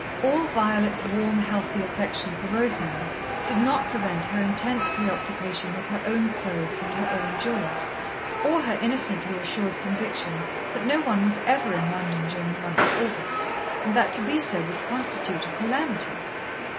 All Violet's warm, healthy affection for Rosemary did not prevent her intense preoccupation with her own clothes and her own jewels, or her innocently assured conviction that no one was ever in London during the month of August, and that to be so would constitute a calamity.